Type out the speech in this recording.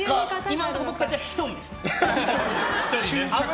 今のところ僕たちは１人。